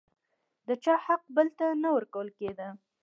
د چا حق بل ته نه ورکول کېده.